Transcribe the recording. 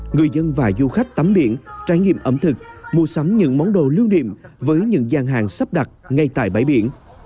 người dân và du khách tắm biển trải nghiệm ẩm thực mua sắm những món đồ lưu niệm với những gian hàng sắp đặt ngay tại bãi biển